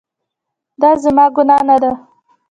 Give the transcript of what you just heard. دا زما ګناه نه ده